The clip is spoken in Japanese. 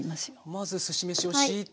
まずすし飯をしいて。